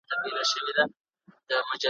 د ارغند خاوري به مي رانجه وي ,